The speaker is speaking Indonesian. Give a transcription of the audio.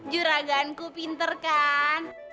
juragan ku pinter kan